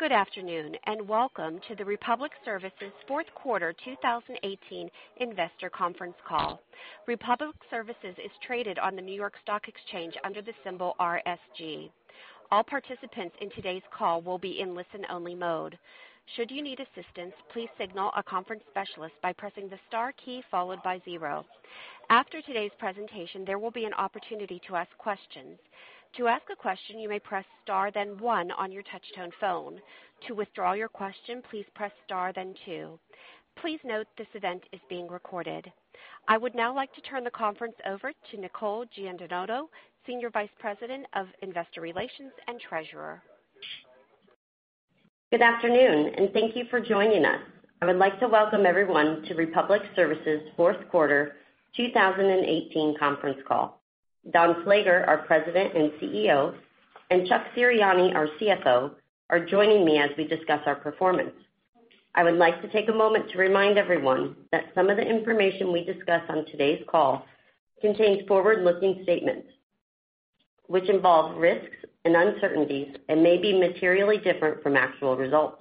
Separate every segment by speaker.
Speaker 1: Good afternoon, and welcome to the Republic Services fourth quarter 2018 investor conference call. Republic Services is traded on the New York Stock Exchange under the symbol RSG. All participants in today's call will be in listen-only mode. Should you need assistance, please signal a conference specialist by pressing the star key followed by zero. After today's presentation, there will be an opportunity to ask questions. To ask a question, you may press star then one on your touch-tone phone. To withdraw your question, please press star then two. Please note this event is being recorded. I would now like to turn the conference over to Nicole Giandinoto, Senior Vice President of Investor Relations and Treasurer.
Speaker 2: Good afternoon, and thank you for joining us. I would like to welcome everyone to Republic Services' fourth quarter 2018 conference call. Don Slager, our President and CEO, and Chuck Serianni, our CFO, are joining me as we discuss our performance. I would like to take a moment to remind everyone that some of the information we discuss on today's call contains forward-looking statements, which involve risks and uncertainties and may be materially different from actual results.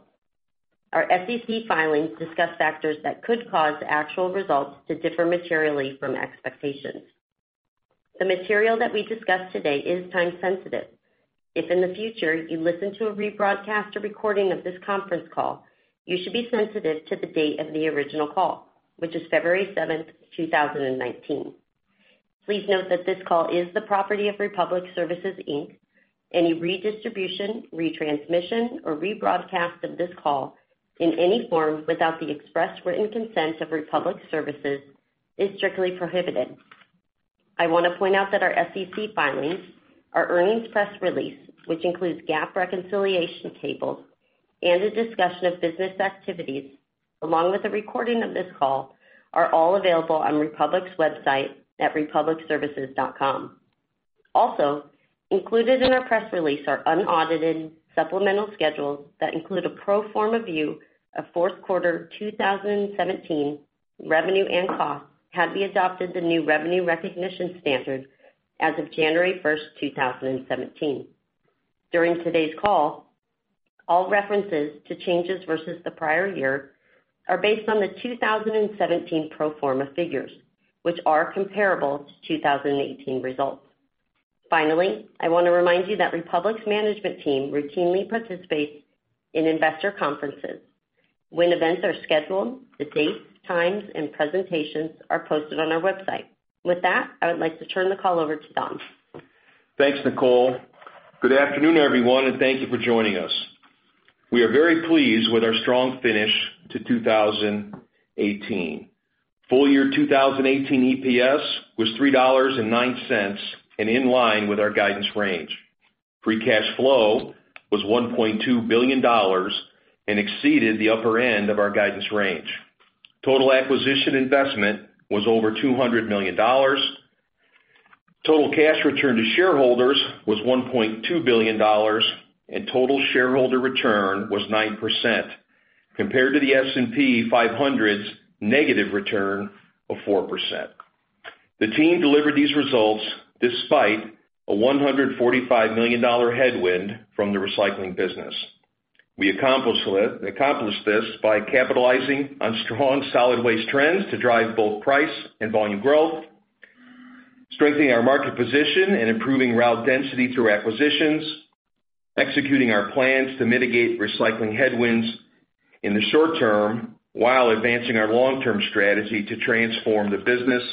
Speaker 2: Our SEC filings discuss factors that could cause actual results to differ materially from expectations. The material that we discuss today is time-sensitive. If in the future you listen to a rebroadcast or recording of this conference call, you should be sensitive to the date of the original call, which is February 7th, 2019. Please note that this call is the property of Republic Services, Inc. Any redistribution, retransmission, or rebroadcast of this call in any form without the express written consent of Republic Services is strictly prohibited. I want to point out that our SEC filings, our earnings press release, which includes GAAP reconciliation tables and a discussion of business activities, along with a recording of this call, are all available on Republic's website at republicservices.com. Also, included in our press release are unaudited supplemental schedules that include a pro forma view of fourth quarter 2017 revenue and costs had we adopted the new revenue recognition standards as of January 1st, 2017. During today's call, all references to changes versus the prior year are based on the 2017 pro forma figures, which are comparable to 2018 results. Finally, I want to remind you that Republic's management team routinely participates in investor conferences. When events are scheduled, the dates, times, and presentations are posted on our website. With that, I would like to turn the call over to Don.
Speaker 3: Thanks, Nicole. Good afternoon, everyone, thank you for joining us. We are very pleased with our strong finish to 2018. Full year 2018 EPS was $3.09 in line with our guidance range. Free cash flow was $1.2 billion exceeded the upper end of our guidance range. Total acquisition investment was over $200 million. Total cash return to shareholders was $1.2 billion, total shareholder return was 9% compared to the S&P 500's negative return of 4%. The team delivered these results despite a $145 million headwind from the recycling business. We accomplished this by capitalizing on strong solid waste trends to drive both price and volume growth, strengthening our market position and improving route density through acquisitions, executing our plans to mitigate recycling headwinds in the short term while advancing our long-term strategy to transform the business,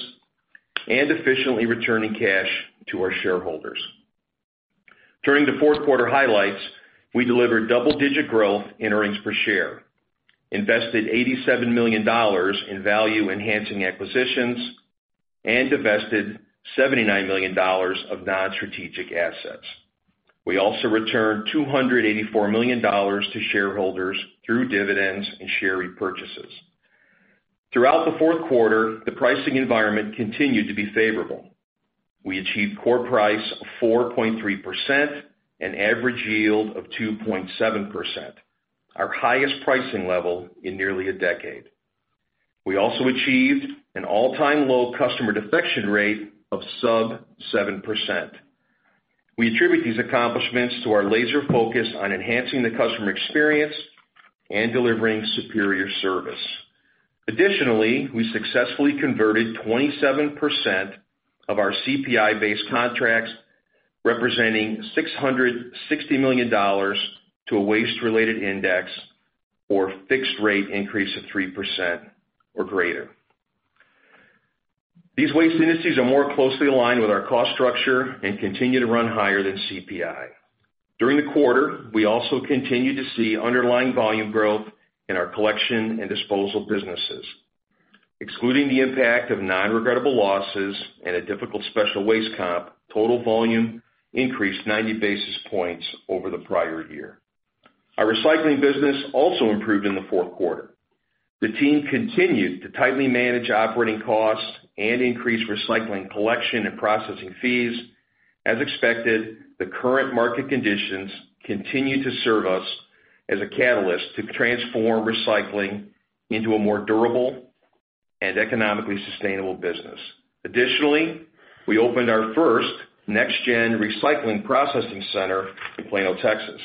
Speaker 3: efficiently returning cash to our shareholders. During the fourth quarter highlights, we delivered double-digit growth in earnings per share, invested $87 million in value-enhancing acquisitions, divested $79 million of non-strategic assets. We also returned $284 million to shareholders through dividends and share repurchases. Throughout the fourth quarter, the pricing environment continued to be favorable. We achieved core price of 4.3% average yield of 2.7%, our highest pricing level in nearly a decade. We also achieved an all-time low customer defection rate of sub 7%. We attribute these accomplishments to our laser focus on enhancing the customer experience and delivering superior service. Additionally, we successfully converted 27% of our CPI-based contracts, representing $660 million to a waste-related index or fixed rate increase of 3% or greater. These waste indices are more closely aligned with our cost structure and continue to run higher than CPI. During the quarter, we also continued to see underlying volume growth in our collection and disposal businesses. Excluding the impact of non-regrettable losses and a difficult special waste comp, total volume increased 90 basis points over the prior year. Our recycling business also improved in the fourth quarter. The team continued to tightly manage operating costs and increase recycling collection and processing fees. As expected, the current market conditions continue to serve us as a catalyst to transform recycling into a more durable and economically sustainable business. Additionally, we opened our first Next-Gen recycling processing center in Plano, Texas.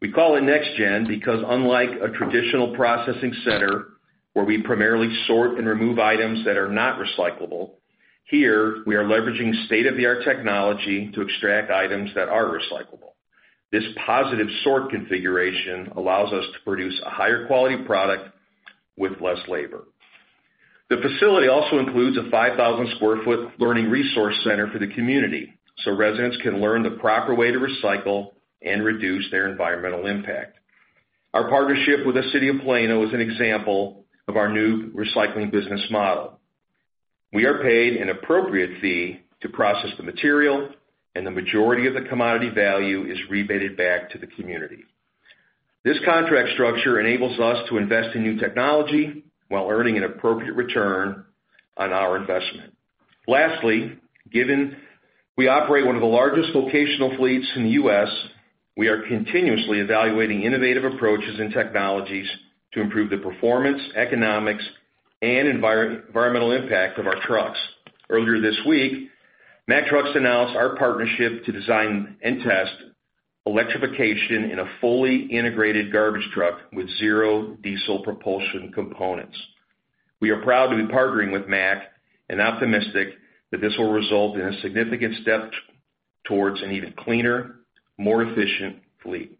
Speaker 3: We call it Next-Gen because unlike a traditional processing center, where we primarily sort and remove items that are not recyclable, here we are leveraging state-of-the-art technology to extract items that are recyclable. This positive sort configuration allows us to produce a higher quality product with less labor. The facility also includes a 5,000 sq ft learning resource center for the community, so residents can learn the proper way to recycle and reduce their environmental impact. Our partnership with the City of Plano is an example of our new recycling business model. We are paid an appropriate fee to process the material, the majority of the commodity value is rebated back to the community. This contract structure enables us to invest in new technology while earning an appropriate return on our investment. Lastly, given we operate one of the largest vocational fleets in the U.S., we are continuously evaluating innovative approaches and technologies to improve the performance, economics, and environmental impact of our trucks. Earlier this week, Mack Trucks announced our partnership to design and test electrification in a fully integrated garbage truck with zero diesel propulsion components. We are proud to be partnering with Mack and optimistic that this will result in a significant step towards an even cleaner, more efficient fleet.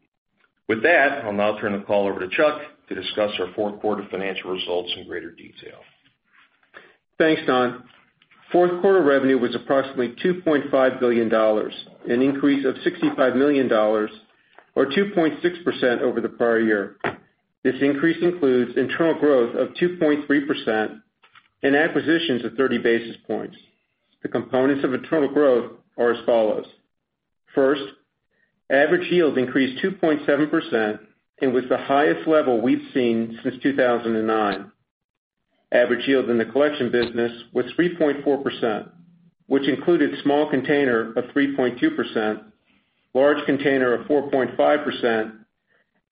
Speaker 3: With that, I'll now turn the call over to Chuck to discuss our fourth quarter financial results in greater detail.
Speaker 4: Thanks, Don. Fourth quarter revenue was approximately $2.5 billion, an increase of $65 million or 2.6% over the prior year. This increase includes internal growth of 2.3% and acquisitions of 30 basis points. The components of internal growth are as follows. First, average yield increased 2.7% and was the highest level we've seen since 2009. Average yield in the collection business was 3.4%, which included small container of 3.2%, large container of 4.5%,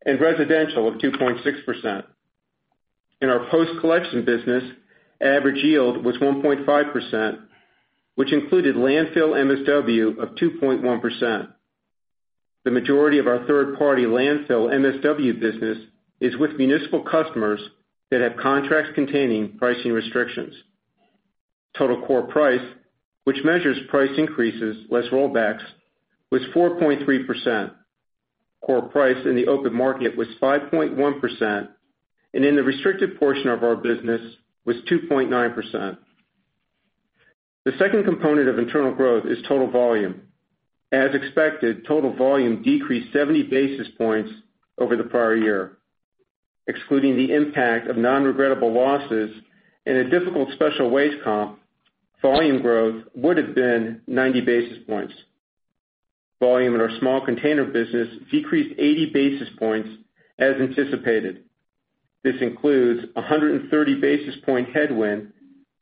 Speaker 4: and residential of 2.6%. In our post-collection business, average yield was 1.5%, which included landfill MSW of 2.1%. The majority of our third-party landfill MSW business is with municipal customers that have contracts containing pricing restrictions. Total core price, which measures price increases less rollbacks, was 4.3%. Core price in the open market was 5.1% and in the restricted portion of our business was 2.9%. The second component of internal growth is total volume. As expected, total volume decreased 70 basis points over the prior year. Excluding the impact of non-regrettable losses and a difficult special waste comp, volume growth would have been 90 basis points. Volume in our small container business decreased 80 basis points as anticipated. This includes 130 basis point headwind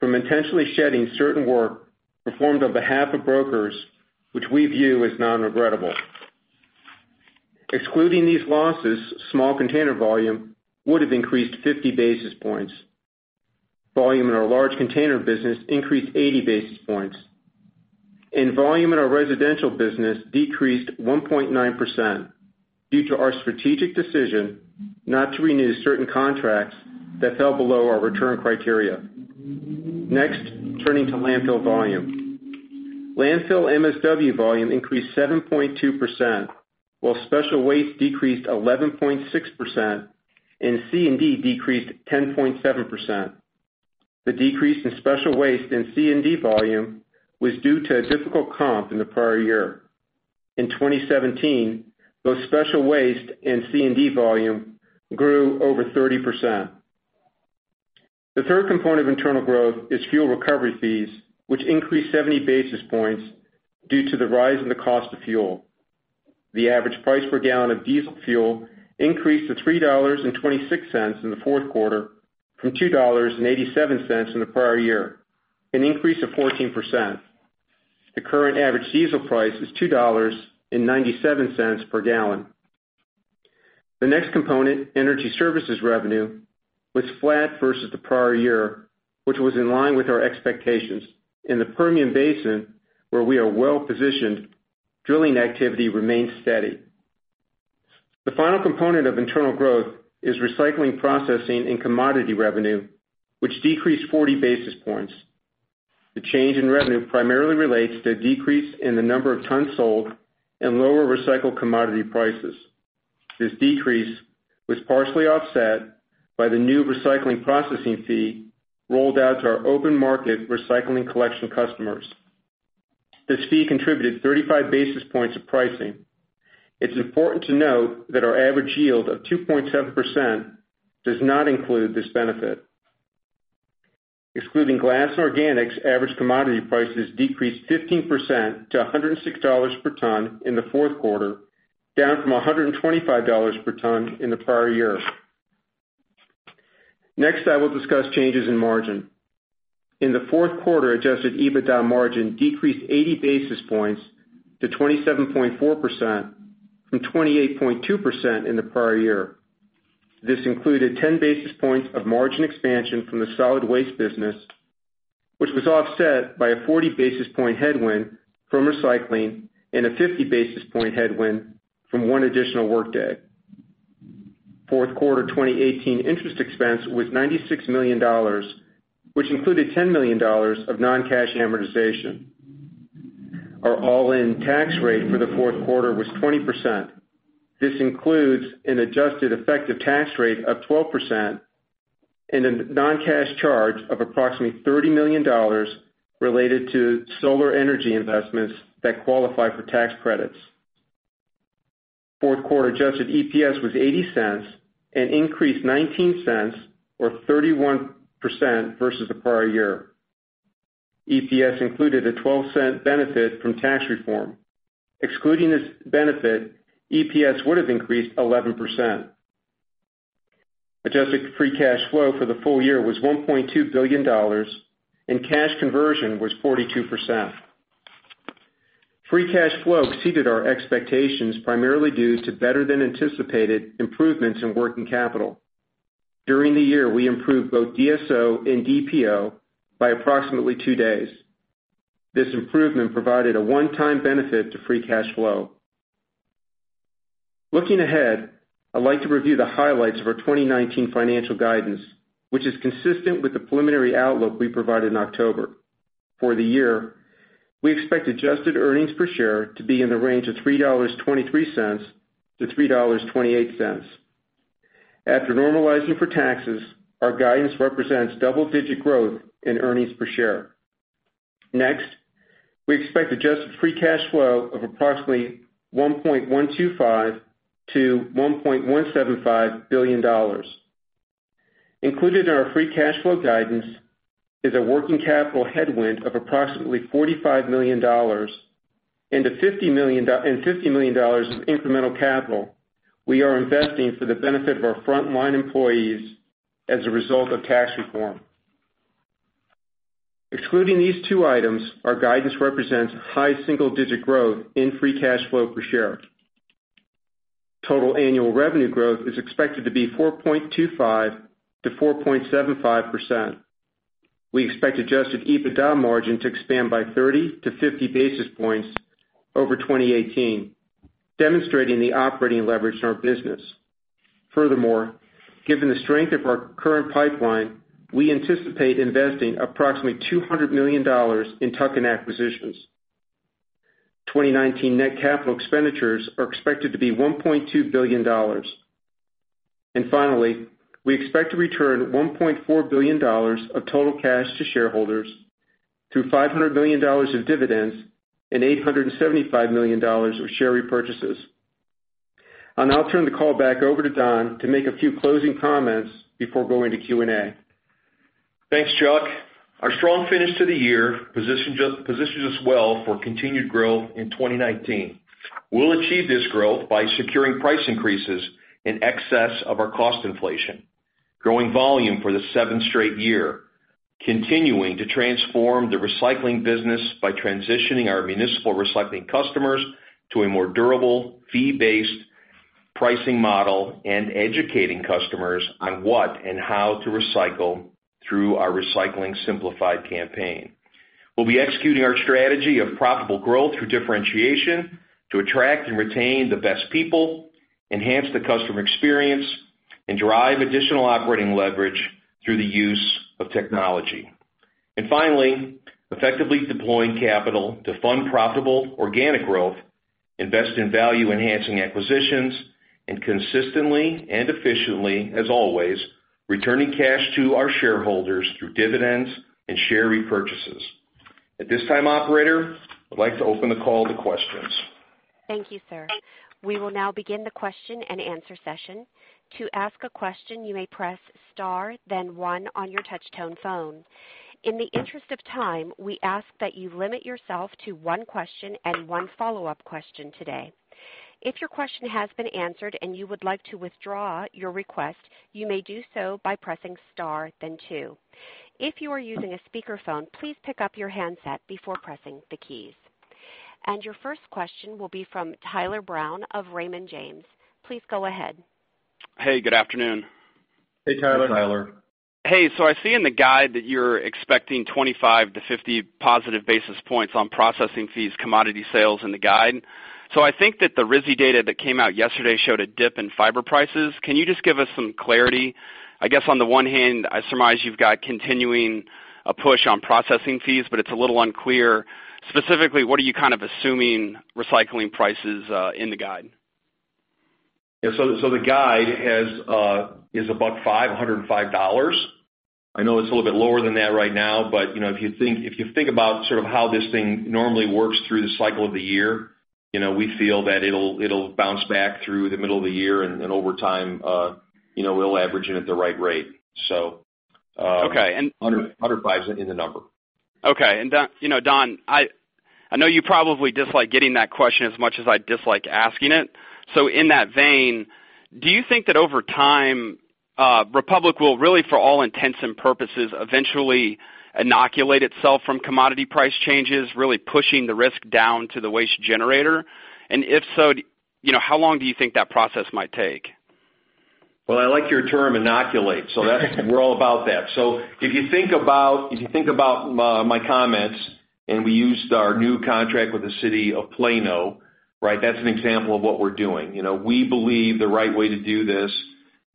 Speaker 4: from intentionally shedding certain work performed on behalf of brokers, which we view as non-regrettable. Excluding these losses, small container volume would have increased 50 basis points. Volume in our large container business increased 80 basis points, and volume in our residential business decreased 1.9% due to our strategic decision not to renew certain contracts that fell below our return criteria. Next, turning to landfill volume. Landfill MSW volume increased 7.2%, while special waste decreased 11.6% and C&D decreased 10.7%. The decrease in special waste and C&D volume was due to a difficult comp in the prior year. In 2017, both special waste and C&D volume grew over 30%. The third component of internal growth is fuel recovery fees, which increased 70 basis points due to the rise in the cost of fuel. The average price per gallon of diesel fuel increased to $3.26 in the fourth quarter from $2.87 in the prior year, an increase of 14%. The current average diesel price is $2.97 per gallon. The next component, energy services revenue, was flat versus the prior year, which was in line with our expectations. In the Permian Basin, where we are well-positioned, drilling activity remained steady. The final component of internal growth is recycling processing and commodity revenue, which decreased 40 basis points. The change in revenue primarily relates to a decrease in the number of tons sold and lower recycled commodity prices. This decrease was partially offset by the new recycling processing fee rolled out to our open market recycling collection customers. This fee contributed 35 basis points of pricing. It's important to note that our average yield of 2.7% does not include this benefit. Excluding glass and organics, average commodity prices decreased 15% to $106 per ton in the fourth quarter, down from $125 per ton in the prior year. Next, I will discuss changes in margin. In the fourth quarter, adjusted EBITDA margin decreased 80 basis points to 27.4% from 28.2% in the prior year. This included 10 basis points of margin expansion from the solid waste business, which was offset by a 40 basis point headwind from recycling and a 50 basis point headwind from one additional workday. Fourth quarter 2018 interest expense was $96 million, which included $10 million of non-cash amortization. Our all-in tax rate for the fourth quarter was 20%. This includes an adjusted effective tax rate of 12% and a non-cash charge of approximately $30 million related to solar energy investments that qualify for tax credits. Fourth quarter adjusted EPS was $0.80, an increase $0.19 or 31% versus the prior year. EPS included a $0.12 benefit from tax reform. Excluding this benefit, EPS would have increased 11%. Adjusted free cash flow for the full year was $1.2 billion and cash conversion was 42%. Free cash flow exceeded our expectations, primarily due to better than anticipated improvements in working capital. During the year, we improved both DSO and DPO by approximately two days. This improvement provided a one-time benefit to free cash flow. Looking ahead, I'd like to review the highlights of our 2019 financial guidance, which is consistent with the preliminary outlook we provided in October. For the year, we expect adjusted earnings per share to be in the range of $3.23-$3.28. After normalizing for taxes, our guidance represents double-digit growth in earnings per share. Next, we expect adjusted free cash flow of approximately $1.125 billion-$1.175 billion. Included in our free cash flow guidance is a working capital headwind of approximately $45 million and $50 million of incremental capital we are investing for the benefit of our frontline employees as a result of tax reform. Excluding these two items, our guidance represents high single-digit growth in free cash flow per share. Total annual revenue growth is expected to be 4.25%-4.75%. We expect adjusted EBITDA margin to expand by 30 to 50 basis points over 2018, demonstrating the operating leverage in our business. Furthermore, given the strength of our current pipeline, we anticipate investing approximately $200 million in tuck-in acquisitions. 2019 net capital expenditures are expected to be $1.2 billion. Finally, we expect to return $1.4 billion of total cash to shareholders through $500 million of dividends and $875 million of share repurchases. I'll now turn the call back over to Don to make a few closing comments before going to Q&A.
Speaker 3: Thanks, Chuck. Our strong finish to the year positions us well for continued growth in 2019. We'll achieve this growth by securing price increases in excess of our cost inflation, growing volume for the seventh straight year, continuing to transform the recycling business by transitioning our municipal recycling customers to a more durable fee-based pricing model, and educating customers on what and how to recycle through our Recycling Simplified campaign. We'll be executing our strategy of profitable growth through differentiation to attract and retain the best people, enhance the customer experience, and drive additional operating leverage through the use of technology. Finally, effectively deploying capital to fund profitable organic growth, invest in value-enhancing acquisitions, and consistently and efficiently, as always, returning cash to our shareholders through dividends and share repurchases. At this time, operator, I'd like to open the call to questions.
Speaker 1: Thank you, sir. We will now begin the question-and-answer session. To ask a question, you may press star then one on your touchtone phone. In the interest of time, we ask that you limit yourself to one question and one follow-up question today. If your question has been answered and you would like to withdraw your request, you may do so by pressing star then two. If you are using a speakerphone, please pick up your handset before pressing the keys. Your first question will be from Tyler Brown of Raymond James. Please go ahead.
Speaker 5: Hey, good afternoon.
Speaker 3: Hey, Tyler.
Speaker 4: Hey, Tyler.
Speaker 5: Hey. I see in the guide that you're expecting 25 to 50 positive basis points on processing fees, commodity sales in the guide. I think that the RISI data that came out yesterday showed a dip in fiber prices. Can you just give us some clarity? I guess on the one hand, I surmise you've got continuing a push on processing fees, but it's a little unclear. Specifically, what are you kind of assuming recycling prices in the guide?
Speaker 3: Yeah. The guide is $105. I know it's a little bit lower than that right now, but if you think about sort of how this thing normally works through the cycle of the year, we feel that it'll bounce back through the middle of the year, and over time we'll average it at the right rate.
Speaker 5: Okay.
Speaker 3: 105 is in the number
Speaker 5: Okay. Don, I know you probably dislike getting that question as much as I dislike asking it. In that vein, do you think that over time, Republic will really, for all intents and purposes, eventually inoculate itself from commodity price changes, really pushing the risk down to the waste generator? If so, how long do you think that process might take?
Speaker 3: I like your term inoculate, we're all about that. If you think about my comments, we used our new contract with the City of Plano, right? That's an example of what we're doing. We believe the right way to do this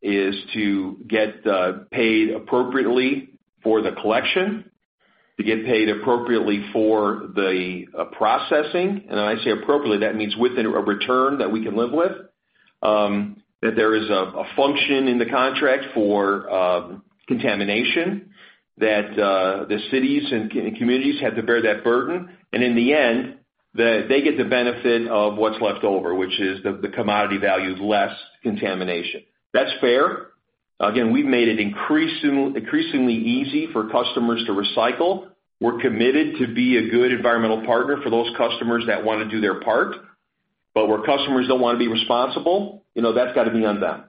Speaker 3: is to get paid appropriately for the collection, to get paid appropriately for the processing. When I say appropriately, that means within a return that we can live with. That there is a function in the contract for contamination, that the cities and communities have to bear that burden. In the end, they get the benefit of what's left over, which is the commodity value less contamination. That's fair. Again, we've made it increasingly easy for customers to recycle. We're committed to be a good environmental partner for those customers that want to do their part. Where customers don't want to be responsible, that's got to be on them.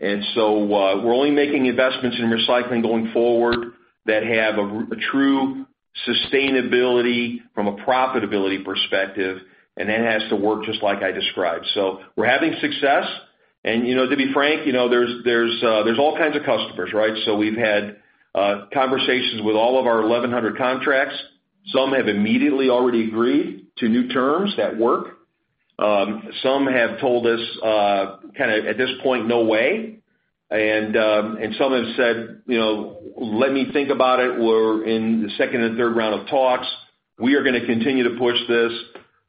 Speaker 3: We're only making investments in recycling going forward that have a true sustainability from a profitability perspective, and that has to work just like I described. We're having success. To be frank, there's all kinds of customers, right? We've had conversations with all of our 1,100 contracts. Some have immediately already agreed to new terms that work. Some have told us, at this point, "No way." Some have said, "Let me think about it." We're in the second or third round of talks. We are going to continue to push this.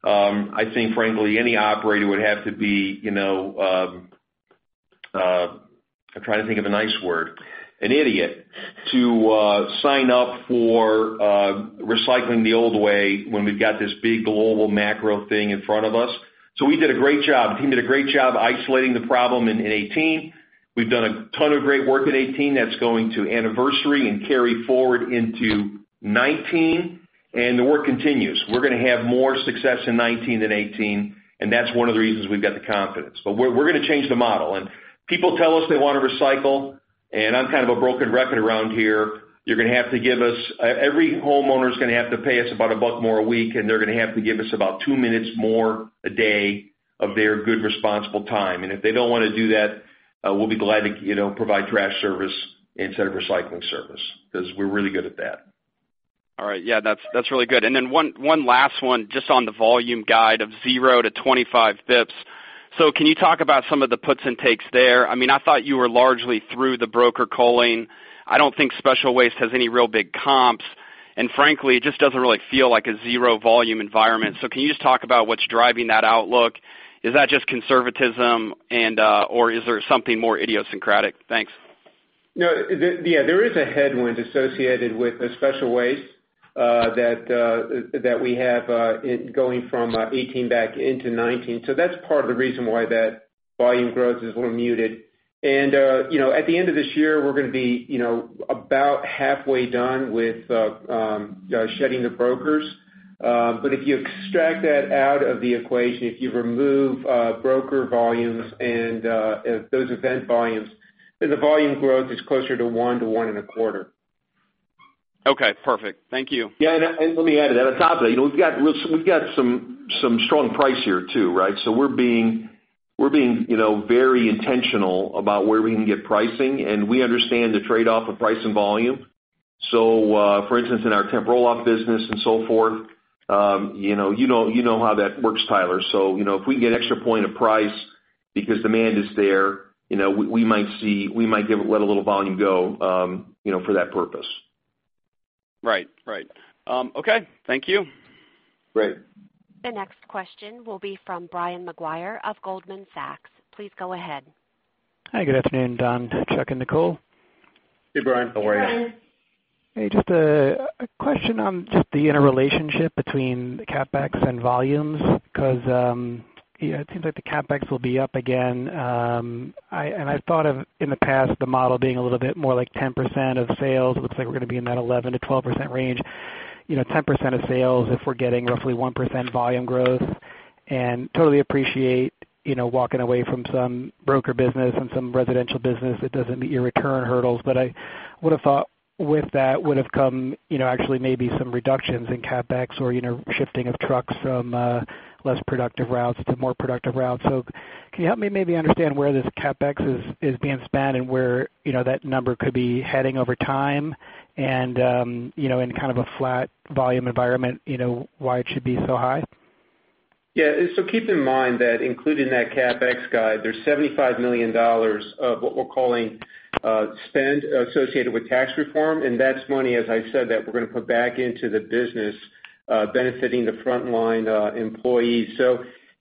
Speaker 3: I think, frankly, any operator would have to be I'm trying to think of a nice word, an idiot to sign up for recycling the old way when we've got this big global macro thing in front of us. We did a great job. The team did a great job isolating the problem in 2018. We've done a ton of great work in 2018 that's going to anniversary and carry forward into 2019, the work continues. We're going to have more success in 2019 than 2018, that's one of the reasons we've got the confidence. We're going to change the model. People tell us they want to recycle, I'm kind of a broken record around here. Every homeowner is going to have to pay us about $1 more a week, and they're going to have to give us about 2 minutes more a day of their good, responsible time. If they don't want to do that, we'll be glad to provide trash service instead of recycling service, because we're really good at that.
Speaker 5: All right. Yeah, that's really good. One last one, just on the volume guide of 0-25 basis points. Can you talk about some of the puts and takes there? I thought you were largely through the broker culling. I don't think special waste has any real big comps. Frankly, it just doesn't really feel like a 0-volume environment. Can you just talk about what's driving that outlook? Is that just conservatism or is there something more idiosyncratic? Thanks.
Speaker 4: No, there is a headwind associated with the special waste that we have going from 2018 back into 2019. That's part of the reason why that volume growth is a little muted. At the end of this year, we're going to be about halfway done with shedding the brokers. If you extract that out of the equation, if you remove broker volumes and those event volumes, then the volume growth is closer to 1%-1.25%.
Speaker 5: Okay, perfect. Thank you.
Speaker 3: Yeah, let me add to that. On top of that, we've got some strong price here too, right? We're being very intentional about where we can get pricing, and we understand the trade-off of price and volume. For instance, in our temp roll-off business and so forth, you know how that works, Tyler. If we can get an extra point of price because demand is there, we might let a little volume go for that purpose.
Speaker 5: Right. Okay, thank you.
Speaker 3: Great.
Speaker 1: The next question will be from Brian Maguire of Goldman Sachs. Please go ahead.
Speaker 6: Hi, good afternoon, Don, Chuck, and Nicole.
Speaker 3: Hey, Brian. How are you?
Speaker 6: Hey, just a question on just the interrelationship between the CapEx and volumes, because it seems like the CapEx will be up again. I thought of, in the past, the model being a little bit more like 10% of sales. It looks like we're going to be in that 11%-12% range. 10% of sales if we're getting roughly 1% volume growth. Totally appreciate walking away from some broker business and some residential business that doesn't meet your return hurdles. I would've thought with that would've come actually maybe some reductions in CapEx or shifting of trucks from less productive routes to more productive routes. Can you help me maybe understand where this CapEx is being spent and where that number could be heading over time and, in kind of a flat volume environment, why it should be so high?
Speaker 4: Yeah. Keep in mind that included in that CapEx guide, there's $75 million of what we're calling spend associated with tax reform, and that's money, as I said, that we're going to put back into the business benefiting the frontline employees.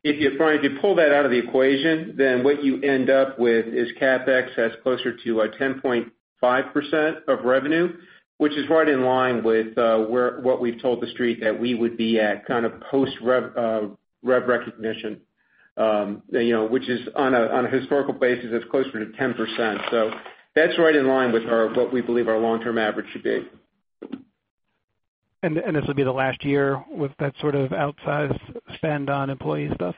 Speaker 4: If you pull that out of the equation, then what you end up with is CapEx that's closer to 10.5% of revenue, which is right in line with what we've told the Street that we would be at post-rev recognition, which is on a historical basis, that's closer to 10%. That's right in line with what we believe our long-term average should be.
Speaker 6: This will be the last year with that sort of outsized spend on employee stuff?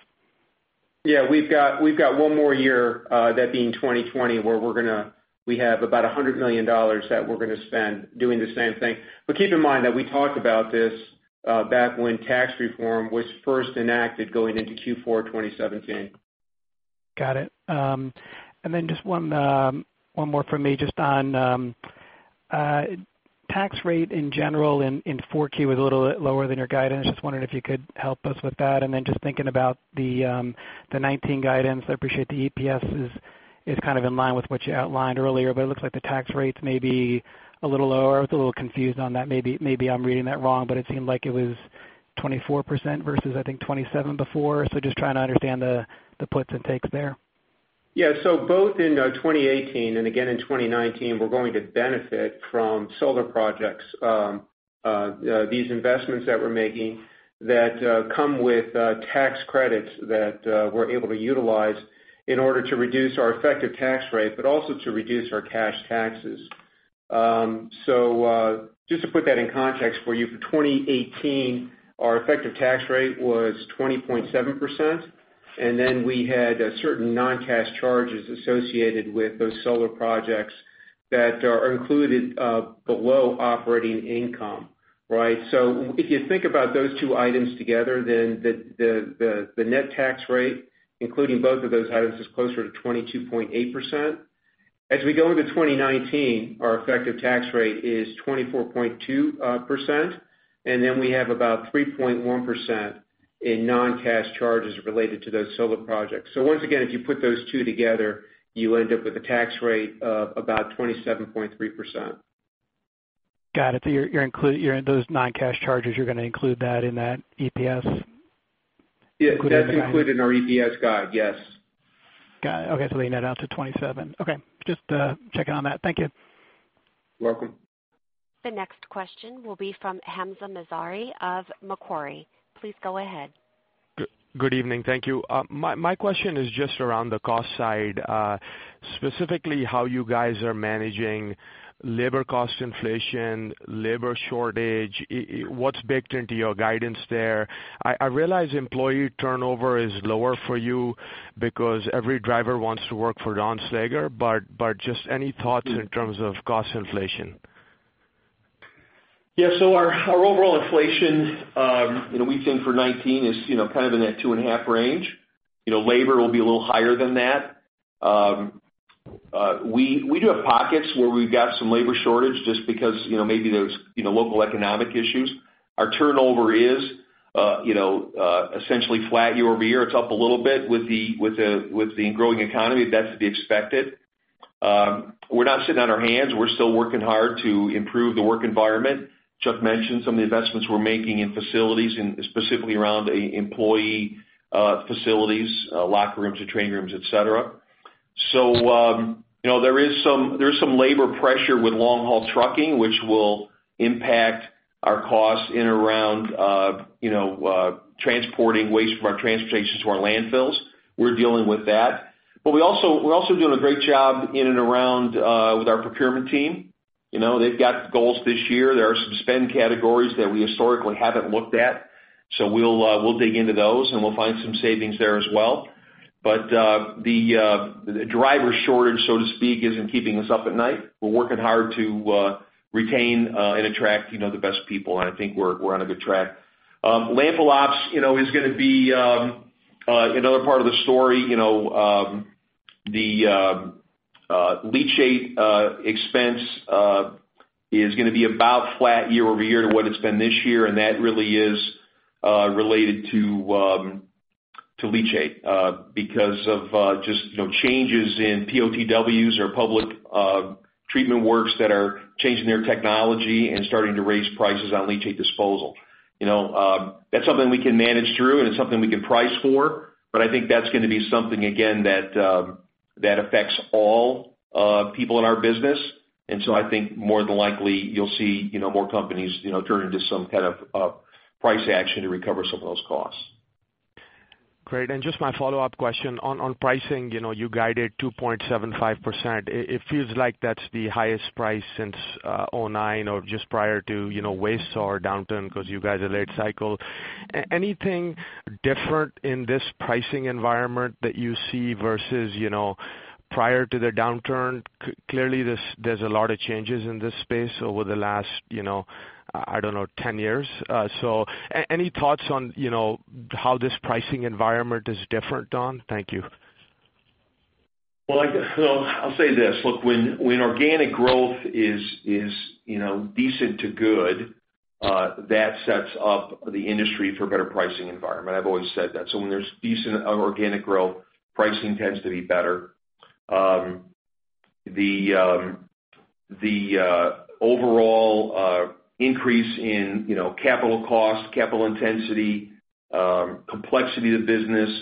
Speaker 4: Yeah, we've got one more year, that being 2020, where we have about $100 million that we're going to spend doing the same thing. Keep in mind that we talked about this back when tax reform was first enacted going into Q4 2017.
Speaker 6: Got it. Just one more from me, just on tax rate in general in 4Q was a little bit lower than your guidance. Just wondering if you could help us with that. Then just thinking about the 2019 guidance. I appreciate the EPS is kind of in line with what you outlined earlier, but it looks like the tax rates may be a little lower. I was a little confused on that. Maybe I'm reading that wrong, but it seemed like it was 24% versus, I think, 27 before. Just trying to understand the puts and takes there.
Speaker 4: Yeah. Both in 2018 and again in 2019, we're going to benefit from solar projects. These investments that we're making that come with tax credits that we're able to utilize in order to reduce our effective tax rate, but also to reduce our cash taxes. Just to put that in context for you, for 2018, our effective tax rate was 20.7%, and then we had certain non-cash charges associated with those solar projects that are included below operating income. Right? If you think about those two items together, then the net tax rate, including both of those items, is closer to 22.8%. As we go into 2019, our effective tax rate is 24.2%, and then we have about 3.1% in non-cash charges related to those solar projects. Once again, if you put those two together, you end up with a tax rate of about 27.3%.
Speaker 6: Got it. Those non-cash charges, you're going to include that in that EPS?
Speaker 4: Yeah. That's included in our EPS guide. Yes.
Speaker 6: Got it. Okay. Bringing that out to 27. Okay. Just checking on that. Thank you.
Speaker 4: You're welcome.
Speaker 1: The next question will be from Hamzah Mazari of Macquarie. Please go ahead.
Speaker 7: Good evening. Thank you. My question is just around the cost side, specifically how you guys are managing labor cost inflation, labor shortage. What's baked into your guidance there? I realize employee turnover is lower for you because every driver wants to work for Don Slager, but just any thoughts in terms of cost inflation?
Speaker 3: Yeah. Our overall inflation we think for 2019 is kind of in that 2.5 range. Labor will be a little higher than that. We do have pockets where we've got some labor shortage just because maybe there's local economic issues. Our turnover is essentially flat year-over-year. It's up a little bit with the growing economy. That's to be expected. We're not sitting on our hands. We're still working hard to improve the work environment. Chuck mentioned some of the investments we're making in facilities, and specifically around employee facilities, locker rooms and training rooms, et cetera. There's some labor pressure with long-haul trucking, which will impact our costs in and around transporting waste from our transportation to our landfills. We're dealing with that. We're also doing a great job in and around with our procurement team. They've got goals this year. There are some spend categories that we historically haven't looked at, we'll dig into those, and we'll find some savings there as well. The driver shortage, so to speak, isn't keeping us up at night. We're working hard to retain and attract the best people, and I think we're on a good track. Landfill ops is going to be another part of the story. The leachate expense is going to be about flat year-over-year to what it's been this year, and that really is related to leachate because of just changes in POTWs or public treatment works that are changing their technology and starting to raise prices on leachate disposal. That's something we can manage through, and it's something we can price for. I think that's going to be something, again, that affects all people in our business. I think more than likely, you will see more companies turn into some kind of price action to recover some of those costs.
Speaker 7: Great. Just my follow-up question on pricing, you guided 2.75%. It feels like that is the highest price since 2009 or just prior to waste or downturn because you guys are late cycle. Anything different in this pricing environment that you see versus prior to the downturn? Clearly, there is a lot of changes in this space over the last, I don't know, 10 years. Any thoughts on how this pricing environment is different, Don? Thank you.
Speaker 3: Well, I will say this. Look, when organic growth is decent to good, that sets up the industry for a better pricing environment. I have always said that. When there is decent organic growth, pricing tends to be better. The overall increase in capital cost, capital intensity, complexity of the business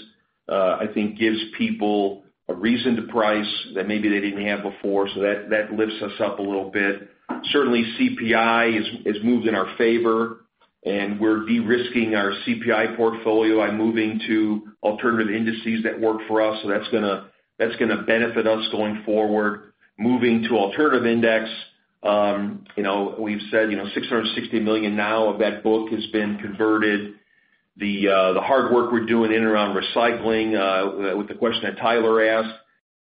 Speaker 3: I think gives people a reason to price that maybe they did not have before. That lifts us up a little bit. Certainly CPI has moved in our favor We are de-risking our CPI portfolio by moving to alternative indices that work for us. That is going to benefit us going forward. Moving to alternative index, we have said $660 million now of that book has been converted. The hard work we are doing in and around recycling, with the question that Tyler asked,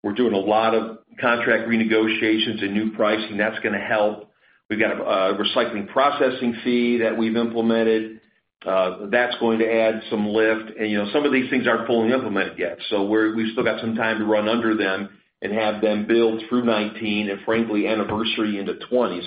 Speaker 3: we are doing a lot of contract renegotiations and new pricing. That is going to help. We have got a recycling processing fee that we have implemented. That is going to add some lift. Some of these things are not fully implemented yet. We have still got some time to run under them and have them build through 2019 and frankly, anniversary into 2020.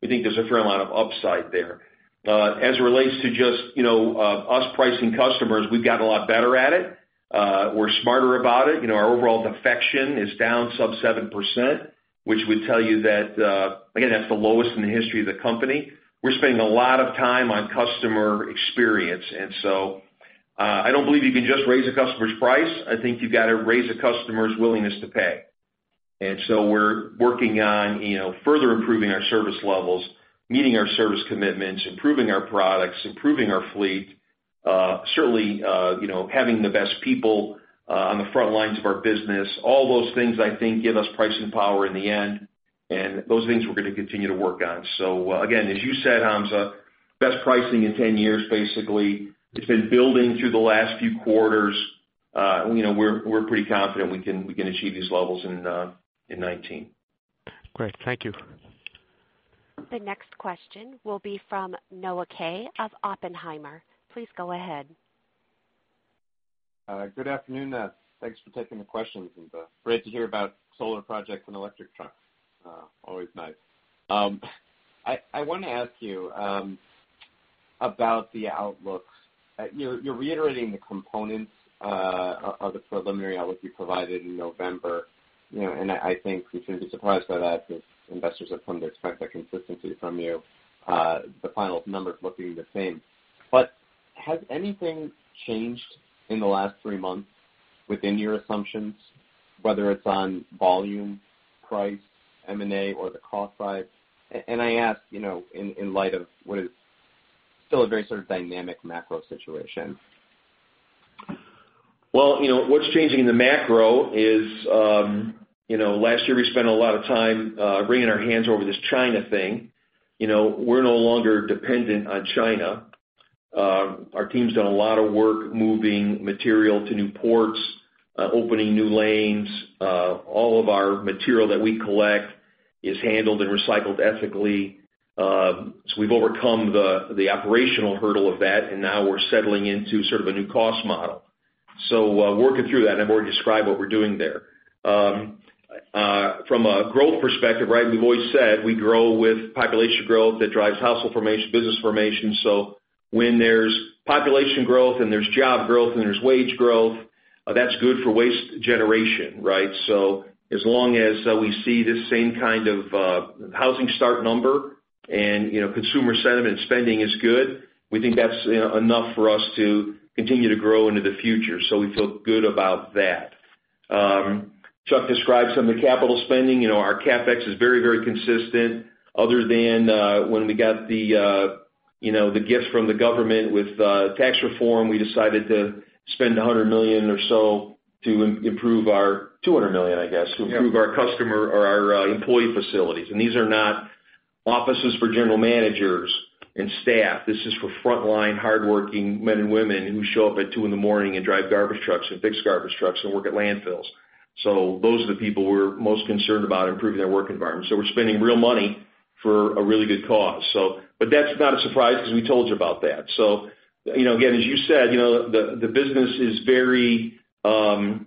Speaker 3: We think there is a fair amount of upside there. As it relates to just us pricing customers, we have got a lot better at it. We are smarter about it. Our overall defection is down sub 7%, which would tell you that, again, that's the lowest in the history of the company. We're spending a lot of time on customer experience. I don't believe you can just raise a customer's price. I think you've got to raise a customer's willingness to pay. We're working on further improving our service levels, meeting our service commitments, improving our products, improving our fleet. Certainly, having the best people on the front lines of our business. All those things, I think, give us pricing power in the end, and those things we're going to continue to work on. Again, as you said, Hamzah, best pricing in 10 years, basically. It's been building through the last few quarters. We're pretty confident we can achieve these levels in 2019.
Speaker 7: Great. Thank you.
Speaker 1: The next question will be from Noah Kaye of Oppenheimer. Please go ahead.
Speaker 8: Good afternoon. Thanks for taking the questions, great to hear about solar projects and electric trucks. Always nice. I want to ask you about the outlook. You're reiterating the components of the preliminary outlook you provided in November, I think we shouldn't be surprised by that, because investors have come to expect that consistency from you. The final numbers looking the same. Has anything changed in the last three months within your assumptions, whether it's on volume, price, M&A, or the cost side? I ask in light of what is still a very sort of dynamic macro situation.
Speaker 3: What's changing in the macro is, last year we spent a lot of time wringing our hands over this China thing. We're no longer dependent on China. Our team's done a lot of work moving material to new ports, opening new lanes. All of our material that we collect is handled and recycled ethically. We've overcome the operational hurdle of that, and now we're settling into sort of a new cost model. Working through that, and I've already described what we're doing there. From a growth perspective, we've always said we grow with population growth. That drives household formation, business formation. When there's population growth and there's job growth and there's wage growth, that's good for waste generation, right? As long as we see this same kind of housing start number and consumer sentiment, spending is good, we think that's enough for us to continue to grow into the future. We feel good about that. Chuck Serianni described some of the capital spending. Our CapEx is very consistent, other than when we got the gift from the government with tax reform, we decided to spend $200 million, I guess, to improve our employee facilities. These are not offices for general managers and staff. This is for frontline, hardworking men and women who show up at 2:00 A.M. in the morning and drive garbage trucks and fix garbage trucks and work at landfills. Those are the people we're most concerned about improving their work environment. We're spending real money for a really good cause. That's not a surprise because we told you about that. Again, as you said, the business is very, on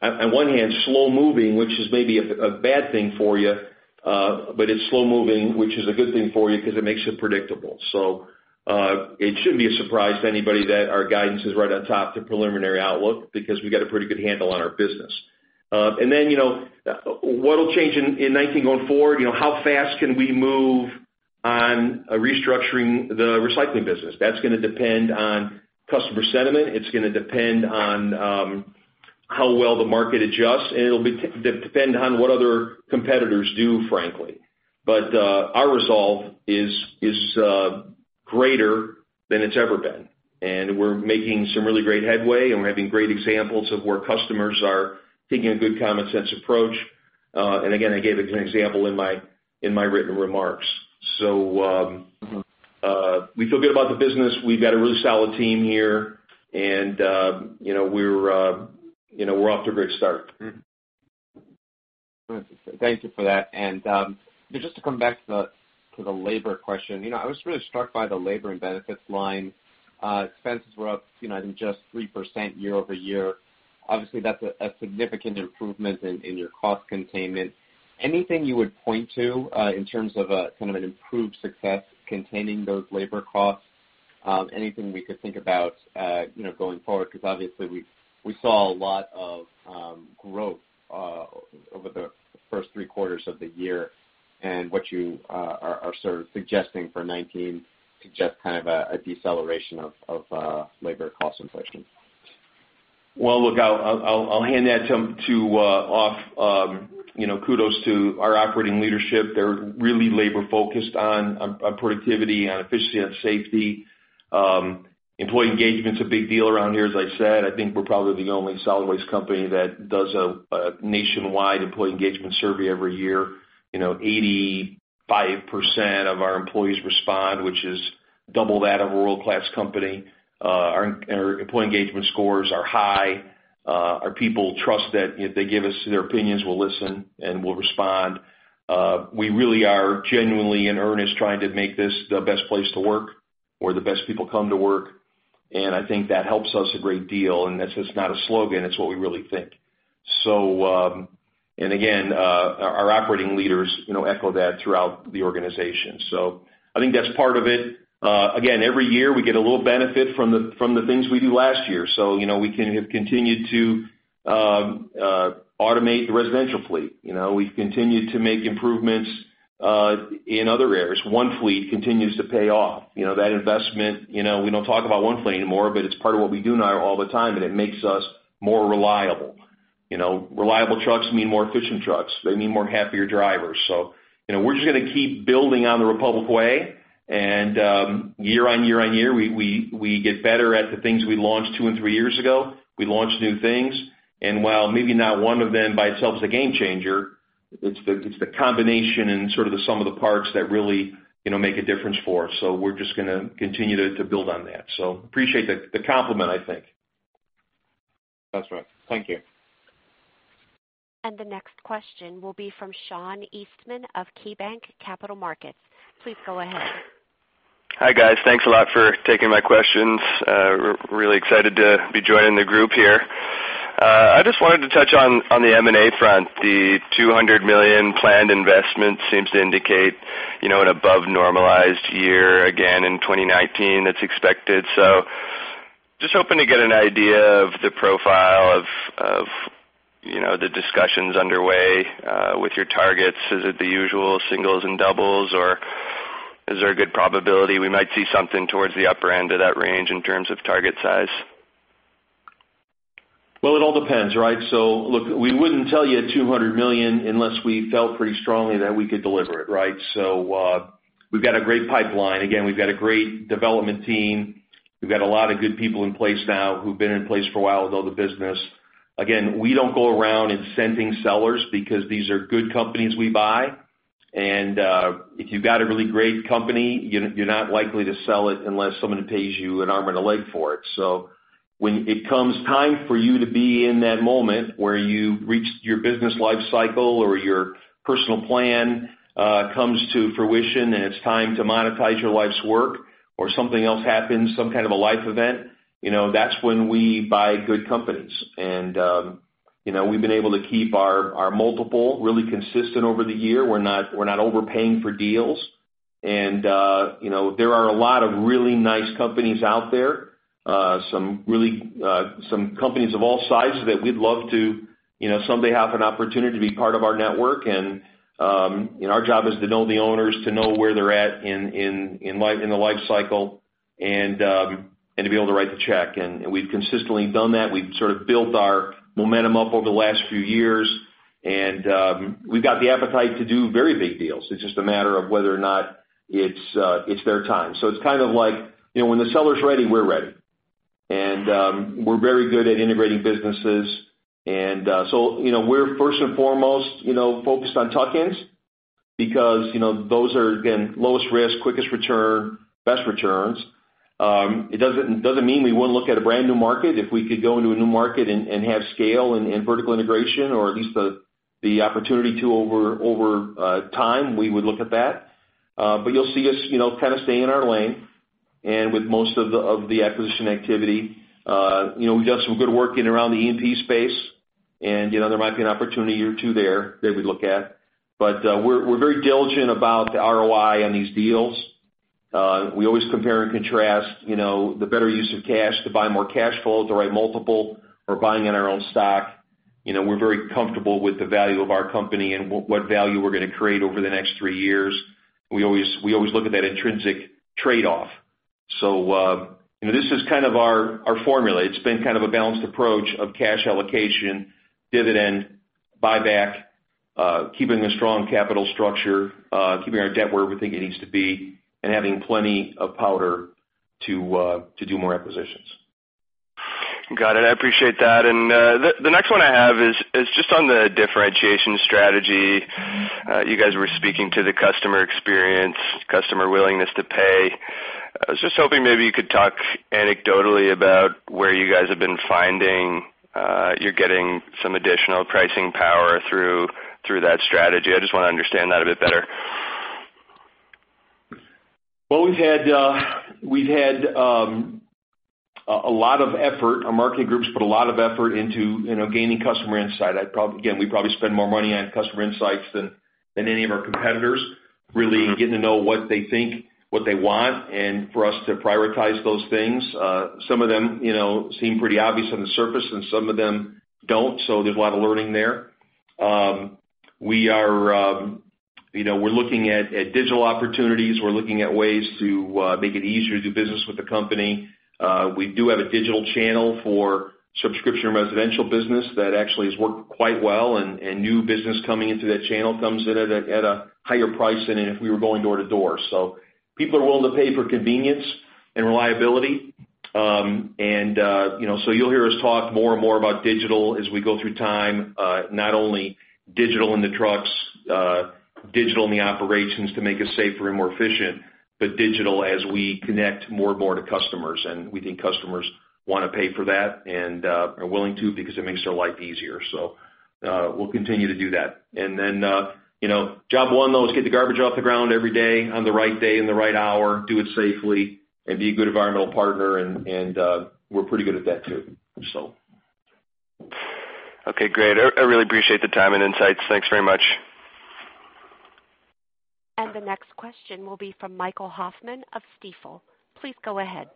Speaker 3: one hand, slow-moving, which is maybe a bad thing for you. It's slow-moving, which is a good thing for you because it makes it predictable. It shouldn't be a surprise to anybody that our guidance is right on top of the preliminary outlook, because we've got a pretty good handle on our business. What'll change in 2019 going forward? How fast can we move on restructuring the recycling business? That's going to depend on customer sentiment. It's going to depend on how well the market adjusts, and it'll depend on what other competitors do, frankly. Our resolve is greater than it's ever been, and we're making some really great headway, and we're having great examples of where customers are taking a good common sense approach. Again, I gave an example in my written remarks. We feel good about the business. We've got a really solid team here, and we're off to a great start.
Speaker 8: Thank you for that. Just to come back to the labor question, I was really struck by the labor and benefits line. Expenses were up, I think just 3% year-over-year. Obviously, that's a significant improvement in your cost containment. Anything you would point to in terms of a kind of an improved success containing those labor costs? Anything we could think about going forward? Because obviously we saw a lot of growth over the first three quarters of the year, and what you are sort of suggesting for 2019 suggests kind of a deceleration of labor cost inflation.
Speaker 3: Well, look, I'll hand that off. Kudos to our operating leadership. They're really labor-focused on productivity, on efficiency, on safety. Employee engagement is a big deal around here. As I said, I think we're probably the only solid waste company that does a nationwide employee engagement survey every year. 85% of our employees respond, which is double that of a world-class company. Our employee engagement scores are high. Our people trust that if they give us their opinions, we'll listen, and we'll respond. We really are genuinely in earnest trying to make this the best place to work, where the best people come to work, and I think that helps us a great deal. That's just not a slogan. It's what we really think. Again, our operating leaders echo that throughout the organization. I think that's part of it. Again, every year, we get a little benefit from the things we do last year. We have continued to automate the residential fleet. We've continued to make improvements in other areas. One Fleet continues to pay off. That investment, we don't talk about One Fleet anymore, but it's part of what we do now all the time, and it makes us more reliable. Reliable trucks mean more efficient trucks. They mean more happier drivers. We're just going to keep building on the Republic way. Year on year on year, we get better at the things we launched two and three years ago. We launch new things. While maybe not one of them by itself is a game changer, it's the combination and sort of the sum of the parts that really make a difference for us. We're just going to continue to build on that. Appreciate the compliment, I think.
Speaker 8: That's right. Thank you.
Speaker 1: The next question will be from Sean Eastman of KeyBanc Capital Markets. Please go ahead.
Speaker 9: Hi, guys. Thanks a lot for taking my questions. Really excited to be joining the group here. I just wanted to touch on the M&A front. The $200 million planned investment seems to indicate an above-normalized year again in 2019 that's expected. Just hoping to get an idea of the profile of the discussions underway with your targets. Is it the usual singles and doubles, or is there a good probability we might see something towards the upper end of that range in terms of target size?
Speaker 3: Well, it all depends, right? Look, we wouldn't tell you $200 million unless we felt pretty strongly that we could deliver it, right? We've got a great pipeline. Again, we've got a great development team. We've got a lot of good people in place now who've been in place for a while with all the business. Again, we don't go around incenting sellers because these are good companies we buy. If you've got a really great company, you're not likely to sell it unless someone pays you an arm and a leg for it. When it comes time for you to be in that moment where you reach your business life cycle or your personal plan comes to fruition, and it's time to monetize your life's work or something else happens, some kind of a life event, that's when we buy good companies. We've been able to keep our multiple really consistent over the year. We're not overpaying for deals. There are a lot of really nice companies out there, some companies of all sizes that we'd love to someday have an opportunity to be part of our network. Our job is to know the owners, to know where they're at in the life cycle, and to be able to write the check. We've consistently done that. We've sort of built our momentum up over the last few years, and we've got the appetite to do very big deals. It's just a matter of whether or not it's their time. It's kind of like when the seller's ready, we're ready. We're very good at integrating businesses. We're first and foremost focused on tuck-ins because those are, again, lowest risk, quickest return, best returns. It doesn't mean we wouldn't look at a brand new market. If we could go into a new market and have scale and vertical integration, or at least the opportunity to over time, we would look at that. You'll see us kind of stay in our lane and with most of the acquisition activity. We've done some good work in around the E&P space, there might be an opportunity or two there that we'd look at. We're very diligent about the ROI on these deals. We always compare and contrast the better use of cash to buy more cash flow at the right multiple or buying in our own stock. We're very comfortable with the value of our company and what value we're going to create over the next three years. We always look at that intrinsic trade-off. This is kind of our formula. It's been kind of a balanced approach of cash allocation, dividend, buyback, keeping a strong capital structure, keeping our debt where we think it needs to be, and having plenty of powder to do more acquisitions.
Speaker 9: Got it. I appreciate that. The next one I have is just on the differentiation strategy. You guys were speaking to the customer experience, customer willingness to pay. I was just hoping maybe you could talk anecdotally about where you guys have been finding you're getting some additional pricing power through that strategy. I just want to understand that a bit better.
Speaker 3: Our marketing group's put a lot of effort into gaining customer insight. Again, we probably spend more money on customer insights than any of our competitors, really getting to know what they think, what they want, and for us to prioritize those things. Some of them seem pretty obvious on the surface, and some of them don't. There's a lot of learning there. We're looking at digital opportunities. We're looking at ways to make it easier to do business with the company. We do have a digital channel for subscription residential business that actually has worked quite well, and new business coming into that channel comes in at a higher price than if we were going door to door. People are willing to pay for convenience and reliability. You'll hear us talk more and more about digital as we go through time, not only digital in the trucks, digital in the operations to make us safer and more efficient, but digital as we connect more and more to customers. We think customers want to pay for that and are willing to because it makes their life easier. We'll continue to do that. Job one, though, is get the garbage off the ground every day on the right day, in the right hour, do it safely and be a good environmental partner and we're pretty good at that, too.
Speaker 9: Okay, great. I really appreciate the time and insights. Thanks very much.
Speaker 1: The next question will be from Michael Hoffman of Stifel. Please go ahead.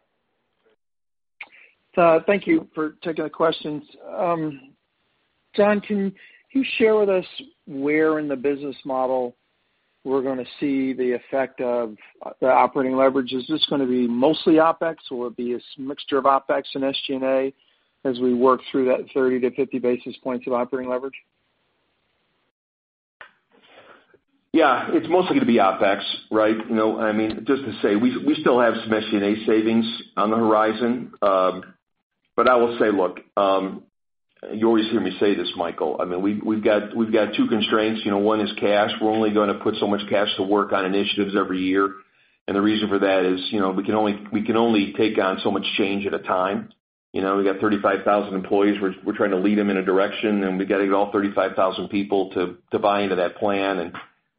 Speaker 10: Thank you for taking the questions. Don, can you share with us where in the business model we're going to see the effect of the operating leverage? Is this going to be mostly OpEx, or will it be a mixture of OpEx and SG&A as we work through that 30-50 basis points of operating leverage?
Speaker 3: It's mostly going to be OpEx, right? Just to say, we still have some SG&A savings on the horizon. I will say, look, you always hear me say this, Michael, we've got two constraints. One is cash. We're only going to put so much cash to work on initiatives every year. The reason for that is, we can only take on so much change at a time. We've got 35,000 employees. We're trying to lead them in a direction, and we got to get all 35,000 people to buy into that plan.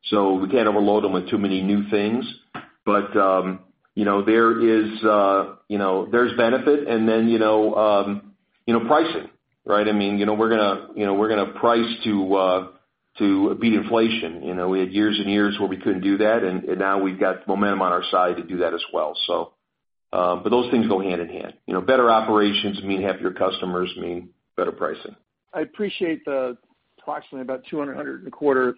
Speaker 3: We can't overload them with too many new things. There's benefit and then pricing, right? We're going to price to beat inflation. We had years and years where we couldn't do that, and now we've got momentum on our side to do that as well. Those things go hand in hand. Better operations mean happier customers mean better pricing.
Speaker 10: I appreciate the approximately about 200 in the quarter